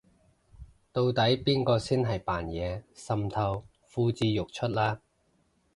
到底邊個先係扮嘢滲透呼之欲出啦